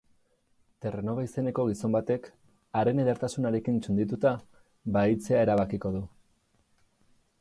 Terranova izeneko gizon batek, haren edertasunarekin txundituta, bahitzea erabakiko du.